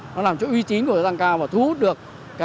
nó làm cho uy tín của doanh nghiệp tăng cao và thu hút được